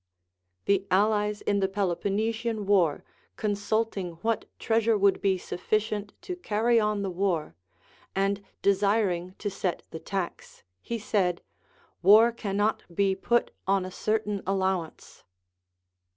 The allies in the Peloponnesian war consulting what treasure would be sufficient to carry on the war, and desiring to set the tax, he said, AVar cannot be put on a certain allowance.